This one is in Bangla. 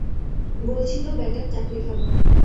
বলছিল, ব্যাটার চাকরি খাব।